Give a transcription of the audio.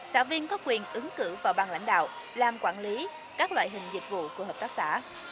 xã viên có quyền ứng cử vào bang lãnh đạo làm quản lý các loại hình dịch vụ của hợp tác xã